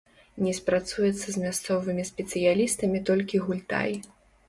Не спрацуецца з мясцовымі спецыялістамі толькі гультай.